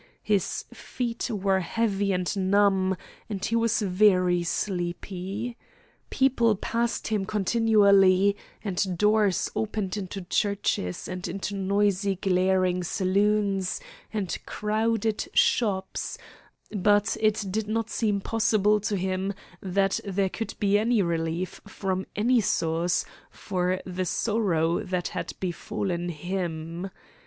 His feet were heavy and numb, and he was very sleepy. People passed him continually, and doors opened into churches and into noisy glaring saloons and crowded shops, but it did not seem possible to him that there could be any relief from any source for the sorrow that had befallen him.